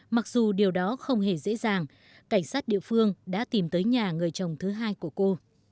mặc dù điều đó không hề dễ dàng cảnh sát địa phương đã tìm tới nhà người chồng thứ hai của cô